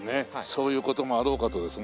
そういう事もあろうかとですね。